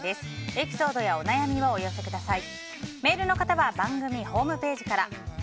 エピソードやお悩みをお寄せください。